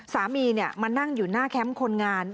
สามีมานั่งอยู่หน้าแคมป์คนงาน